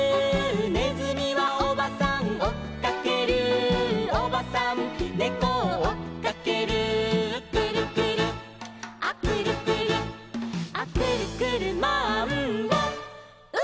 「ねずみはおばさんおっかける」「おばさんねこをおっかける」「くるくるアくるくるア」「くるくるマンボウ！」